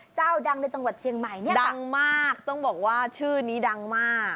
เจ้าดังในจังหวัดเชียงใหม่เนี่ยดังมากต้องบอกว่าชื่อนี้ดังมาก